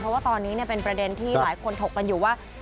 เพราะว่าตอนนี้เป็นประเด็นที่หลายคนถกกันอยู่ว่า